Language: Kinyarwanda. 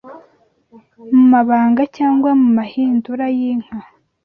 Mu mabanga cyangwa mu mahindura y,inka